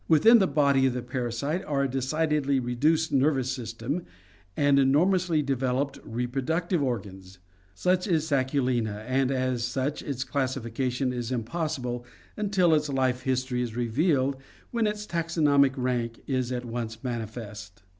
Within the body of the parasite are a decidedly reduced nervous system and enor mously developed reproductive organs. Such is Sacculina, and as such its classification is impossible until its life history is revealed, when its taxonomic rank is at once manifest.